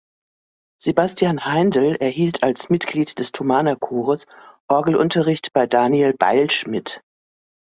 Sebastian Heindl erhielt als Mitglied des Thomanerchores Orgelunterricht bei Daniel Beilschmidt.